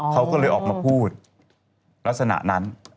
เขาก็เลยออกมาพูดลักษณะนั้น